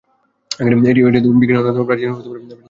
এটি বিজ্ঞানের অন্যতম প্রাচীন ও বৃহত্তম শাখা।